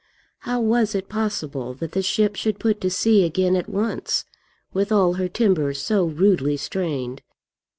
How was it possible that the ship should put to sea again at once, with all her timbers so rudely strained?